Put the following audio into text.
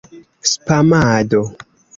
spamado